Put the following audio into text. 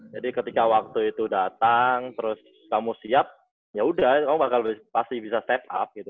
jadi ketika waktu itu datang terus kamu siap yaudah kamu pasti bisa step up gitu